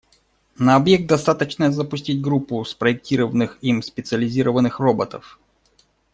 На объект достаточно запустить группу спроектированных им специализированных роботов.